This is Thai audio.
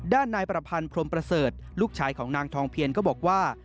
ด้านนายประพันธ์พรมประเสริฐลูกชายของนางทองเพียนก็บอกว่า